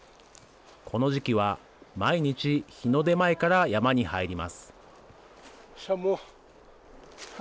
この時期は毎日、日の出前から山に入ります。